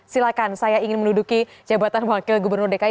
silahkan saya ingin menduduki jabatan wakil gubernur dki